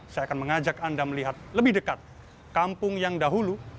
saya akan mengajak anda melihat lebih dekat kampung yang dahulu